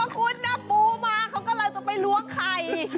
คุณนับปูมาเขากำลังจะไปล้วงไข่